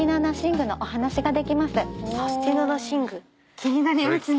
気になりますね。